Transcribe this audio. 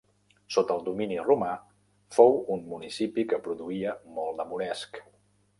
Sota el domini romà fou un municipi que produïa molt de moresc.